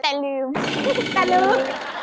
แต่ลืมแต่ลืม